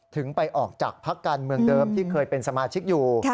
ถึงไปออกจากพักการเมืองเดิมที่เคยเป็นสมาชิกอยู่